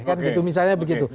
kan gitu misalnya begitu